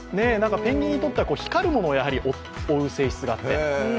ペンギンにとっては光るものを追う性質があって。